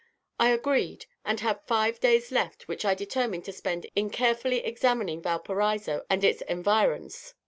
I agreed, and had five days left, which I determined to spend in carefully examining Valparaiso and its environs.